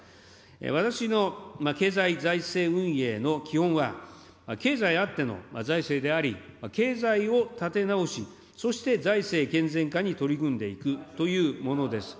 私の経済財政運営の基本は、経済あっての財政であり、経済を立て直し、そして財政健全化に取り組んでいくというものです。